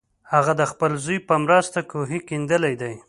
هغه د خپل زوی په مرسته کوهی کیندلی دی.